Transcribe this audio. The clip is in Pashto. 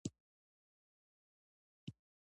راځئ چې پښتو ډیجټالي کړو!